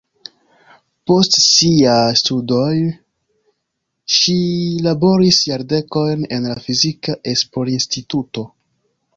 Post siaj studoj ŝi laboris jardekojn en la fizika esplorinstituto.